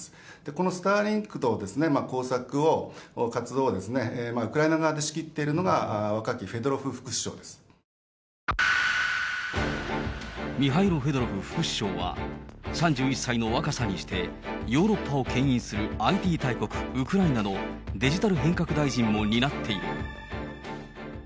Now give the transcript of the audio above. このスターリンクと工作活動をウクライナ側で仕切っているのが、ミハイロ・フェドロフ副首相は、３１歳の若さにして、ヨーロッパをけん引するＩＴ大国、ウクライナのデジタル変革大臣も担っている。